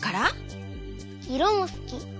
いろもすき。